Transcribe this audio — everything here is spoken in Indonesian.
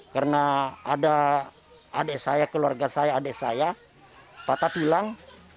karena ada adik saya keluarga saya adik saya patah hilang